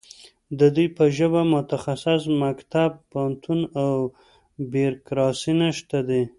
د دوی په ژبه مختص مکتب، پوهنتون او بیرکراسي نشته دی